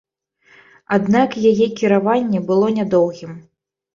Аднак яе кіраванне было нядоўгім.